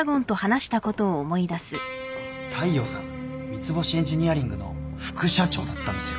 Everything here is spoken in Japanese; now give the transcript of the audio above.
大陽さん三ツ星エンジニアリングの副社長だったんですよ